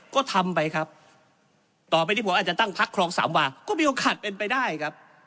ก็ทำไปครับต่อไปที่ผมอาจจะตั้งพักครองสามวาก็มีโอกาสเป็นไปได้ครับ